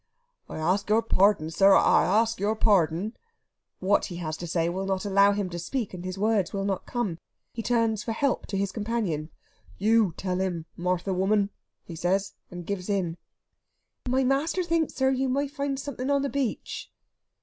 "I ask your pardon, sir I ask your pardon...." What he has to say will not allow him to speak, and his words will not come. He turns for help to his companion. "You tell him, Martha woman," he says, and gives in. "My master thinks, sir, you may find something on the beach...."